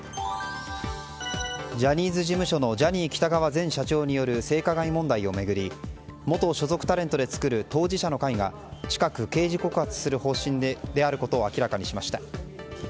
ジャニーズ事務所のジャニー喜多川前社長による性加害問題を巡り元所属タレントで作る当事者の会が近く刑事告発する方針であることを明らかにしました。